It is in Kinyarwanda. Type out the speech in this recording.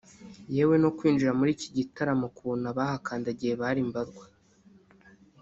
yewe no kwinjira muri iki gitaramo ku buntu abahakandagiye bari mbarwa